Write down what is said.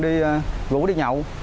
đi rủ đi nhậu